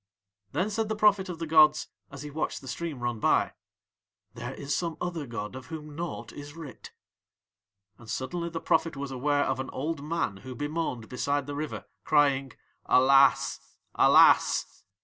Then said the prophet of the gods as he watched the stream run by: "There is some other god of whom naught is writ." And suddenly the prophet was aware of an old man who bemoaned beside the river, crying: "Alas! alas!"